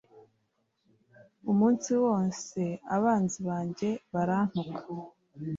Umunsi wose abanzi banjye barantuka